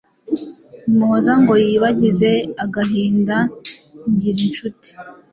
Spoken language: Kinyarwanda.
Umuhoza ngo yibagize agahinda Ngirincuti,